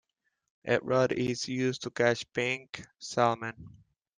A rod is used to catch pink salmon.